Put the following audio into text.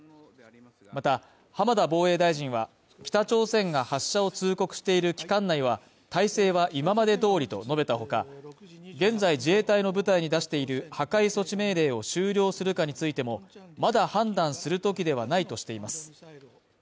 また浜田防衛大臣は北朝鮮が発射を通告している期間内は態勢は今まで通りと述べた他、独自に現在自衛隊の部隊に出している破壊措置命令を終了するかについても、まだ判断するときではないとしています。